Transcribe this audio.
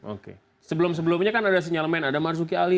oke sebelum sebelumnya kan ada sinyalemen ada marzuki ali